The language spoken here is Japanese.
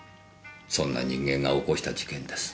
そんな人間が起こした事件です。